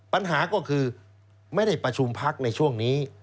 ปัญหาก็คือไม่ได้ประชุมพักในช่วงนี้